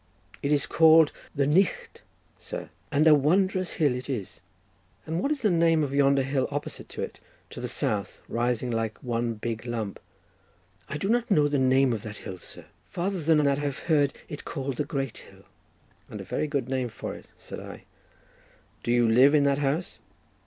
It is called the 'Knicht,' sir; and a wondrous hill it is." "And what is the name of yonder hill opposite to it, to the south, rising like one big lump?" "I do not know the name of that hill, sir, farther than that I have heard it called the Great Hill." "And a very good name for it," said I; "do you live in that house?"